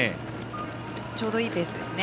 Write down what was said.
ちょうどいいペースですね。